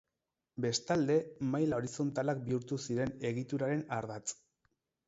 Bestalde, maila horizontalak bihurtu ziren egituraren ardatz.